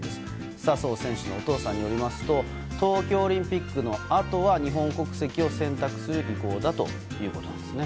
笹生選手のお父さんによりますと東京オリンピックのあとは日本国籍を選択する意向だということです。